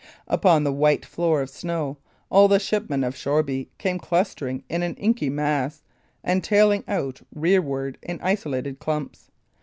Upon the white floor of snow, all the shipmen of Shoreby came clustering in an inky mass, and tailing out rearward in isolated clumps.